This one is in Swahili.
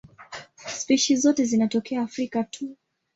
Spishi zote zinatokea Afrika tu.